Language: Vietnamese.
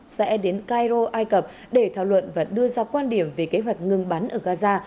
sẽ đến cairo ai cập để thảo luận và đưa ra quan điểm về kế hoạch ngừng bắn ở gaza